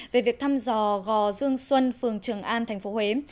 về việc thăm dò gò dương xuân phường trường an thành phố huế